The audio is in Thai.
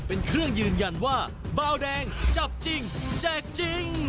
เป็นเครื่องยืนยันว่าเบาแดงจับจริงแจกจริง